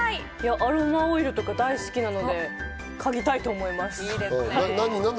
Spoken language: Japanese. アロマオイルとか好きなので嗅ぎたいと思います。